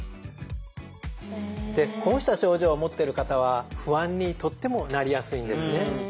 こうした症状を持ってる方は不安にとってもなりやすいんですね。